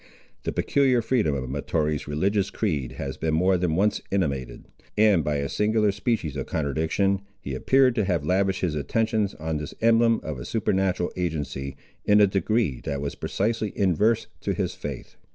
The peculiar freedom of Mahtoree's religious creed has been more than once intimated, and by a singular species of contradiction, he appeared to have lavished his attentions on this emblem of a supernatural agency, in a degree that was precisely inverse to his faith.